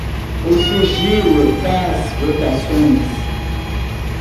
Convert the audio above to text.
o sigilo das votações;